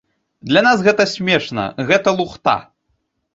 Для нас гэта смешна, гэта лухта!